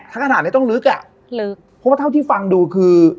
ถ้าขนาดนี้ต้องลึกอ่ะลึกเพราะว่าเท่าที่ฟังดูคือ